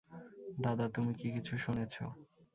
দাদা, তুমি কি কিছু শুনেছ?